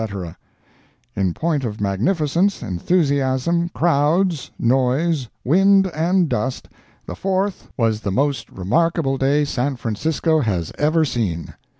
—In point of magnificence, enthusiasm, crowds, noise, wind and dust, the Fourth was the most remarkable day San Francisco has ever seen.